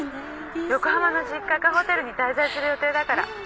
横浜の実家かホテルに滞在する予定だから。